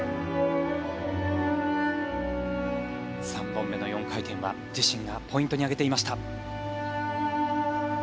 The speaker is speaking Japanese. ３本目の４回転は自身がポイントに挙げていました。